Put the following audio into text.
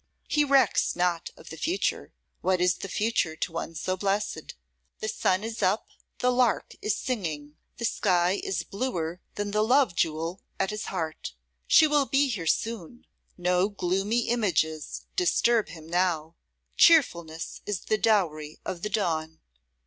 He recks not of the future. What is the future to one so blessed? The sun is up, the lark is singing, the sky is bluer than the love jewel at his heart. She will be here soon. No gloomy images disturb him now. Cheerfulness is the dowry of the dawn.